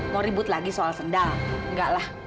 mau ribut lagi soal sendal enggaklah